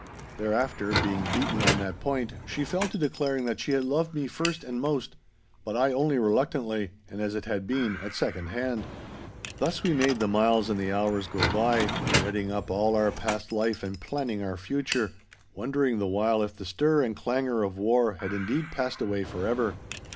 Thereafter, being beaten on that point, she fell to declaring that she had loved me first and most—but I only reluctantly and, as it had been, at second hand. Thus we made the miles and the hours go by, redding up all our past life and planning our future, wondering the while if the stir and clangour of war had indeed passed away for ever.